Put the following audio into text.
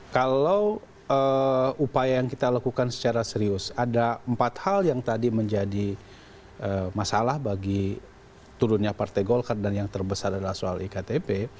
kalau upaya yang kita lakukan secara serius ada empat hal yang tadi menjadi masalah bagi turunnya partai golkar dan yang terbesar adalah soal iktp